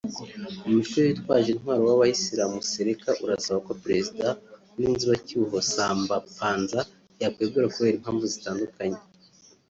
umutwe witwaje intwalo w’Abayirilamu Seleka urasaba ko perezida w’inzibacyuho Samba Panza yakwegura kubera impmvu zitandukanye